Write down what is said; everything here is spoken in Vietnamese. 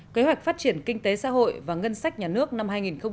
kế hoạch phát triển kinh tế xã hội và ngân sách nhà nước năm hai nghìn một mươi sáu